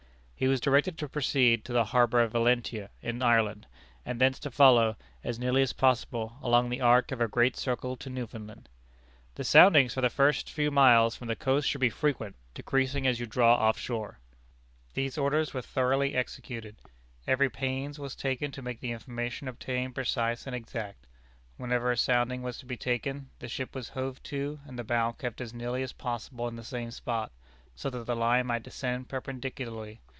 He was directed to proceed to the harbor of Valentia in Ireland, and thence to follow, as nearly as possible, along the arc of a great circle to Newfoundland. "The soundings for the first few miles from the coast should be frequent, decreasing as you draw off shore." These orders were thoroughly executed. Every pains was taken to make the information obtained precise and exact. Whenever a sounding was to be taken, the ship was hove to, and the bow kept as nearly as possible in the same spot, so that the line might descend perpendicularly.